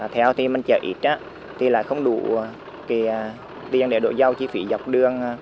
thì mình chở ít á thì là không đủ tiền để đội giao chi phí dọc đường